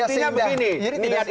ini tidak seindah